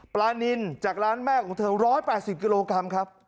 ปลานินจากร้านแม่ของเธอ๑๘๐กิโลกรัมครับ